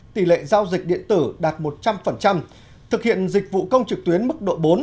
tỷ lệ giao dịch điện tử đạt một trăm linh thực hiện dịch vụ công trực tuyến mức độ bốn